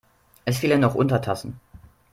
Es fehlen noch Untertassen.